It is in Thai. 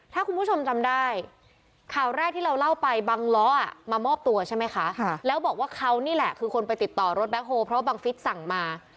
ถ้าคุณผู้ชมจำได้ข่าวแรกที่เราเล่าไปบังล้อมามอบตัวใช่ไหมคะแล้วบอกว่าเขานี่แหละคือคนไปติดต่อรถแคคโฮเพราะบังฟิศสั่งมา